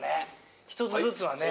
１つずつはね。